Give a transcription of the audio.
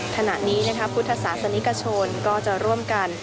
ถนัดนี้นะครับพุทธศาสนิกชนก็จะร่วมกัน